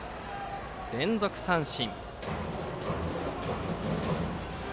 連続三振。